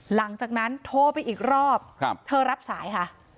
หลังจากนั้นโทรไปอีกรอบเธอรับสายค่ะ